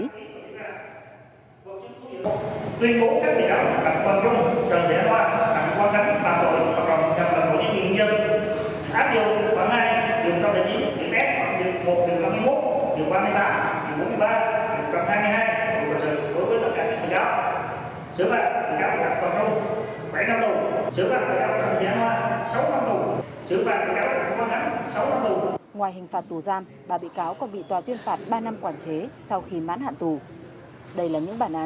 tuyên phủ các bị cáo các phân dung trở về loại các quan trọng xã hội cộng đồng giảm lầm của những bệnh nhân